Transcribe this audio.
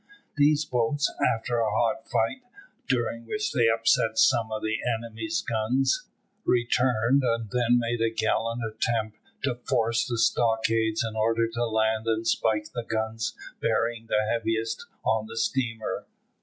These boats, after a hot fight, during which they upset some of the enemy's guns, returned, and then made a gallant attempt to force the stockades in order to land and spike the guns bearing heaviest on the steamer.